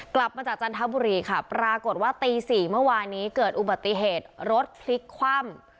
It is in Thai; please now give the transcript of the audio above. กลับมาจากจันทบุรีค่ะปรากฏว่าตี๔เมื่อวานนี้เกิดอุบัติเหตุรถพลิกคว่ำ